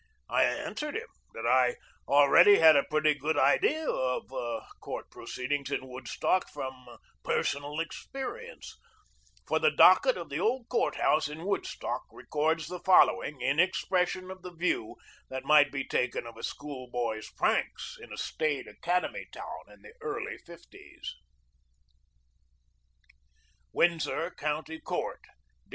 I answered him that I already had a pretty good idea of court pro ceedings in Woodstock from personal experience, for the docket of the old court house in Woodstock re cords the following in expression of the view that might be taken of a school boy's pranks in a staid academy town in the early fifties : WINDSOR COUNTY COURT Dec.